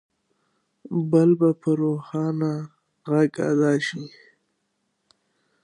بل به په روښانه غږ ادا شي.